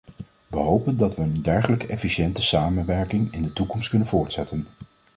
We hopen dat we een dergelijke efficiënte samenwerking in de toekomst kunnen voortzetten.